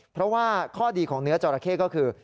เพราะว่าข้อดีของเนื้อจอราเข้ก็คือ